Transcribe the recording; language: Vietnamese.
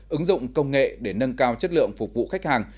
ứng dụng công nghệ để nâng cao chất lượng phục vụ khách hàng